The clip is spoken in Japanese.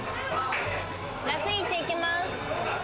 ラスイチ行きます！